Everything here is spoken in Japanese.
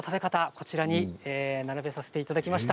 こちらに並べさせていただきました。